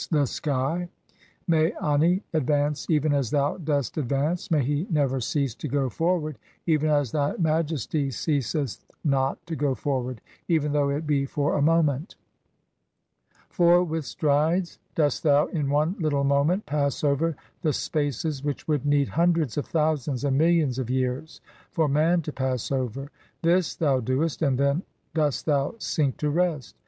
e., the sky). May Ani (21) advance, even as thou dost ad "vance ; may he never cease [to go forward], even as thy Majesty "eeaseth not [to go forward], even though it be for a moment ; "for with strides dost thou (22) in one little moment pass over "the spaces which would need hundreds of thousands and millions "of vears [for man to pass over ; this] thou doest, and then "dost thou sink to rest.